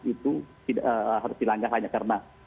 itu harus dilanggar hanya karena